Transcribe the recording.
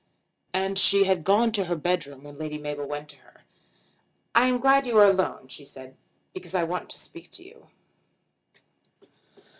And she had gone to her bedroom when Lady Mabel went to her. "I am glad you are alone," she said, "because I want to speak to you."